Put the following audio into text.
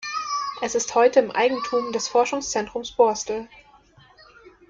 Es ist heute im Eigentum des Forschungszentrums Borstel.